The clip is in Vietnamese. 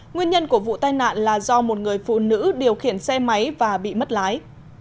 nguyên nhân của vụ tai nạn là do một người phụ nữ điều khiển xe máy và bị mất lái